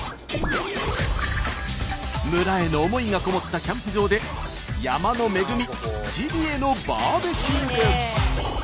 村への思いがこもったキャンプ場で山の恵みジビエのバーベキューです。